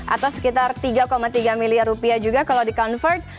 atau sekitar tiga tiga miliar rupiah juga kalau di convert